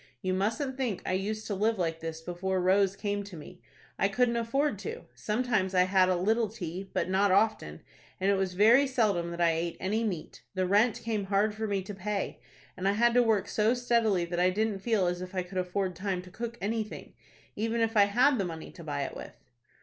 You mustn't think I used to live like this before Rose came to me. I couldn't afford to. Sometimes I had a little tea, but not often, and it was very seldom that I ate any meat. The rent came hard for me to pay, and I had to work so steadily that I didn't feel as if I could afford time to cook anything, even if I had the money to buy it with."